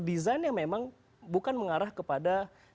desainnya memang bukan mengarah kepada